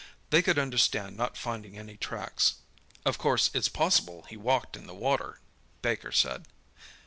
They could understand not finding any tracks. "'Of course it's possible he's walked in the water,' Baker said.